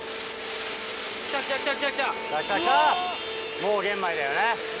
もう玄米だよね。